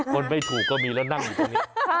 คนไม่ถูกก็มีแล้วนั่งอยู่ตรงนี้